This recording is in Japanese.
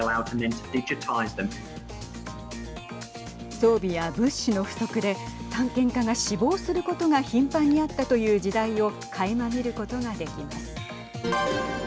装備や物資の不足で探検家が死亡することが頻繁にあったという時代をかいま見ることができます。